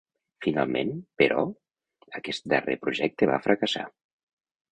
Finalment, però, aquest darrer projecte va fracassar.